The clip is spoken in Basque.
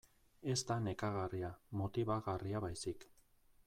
Ez da nekagarria, motibagarria baizik.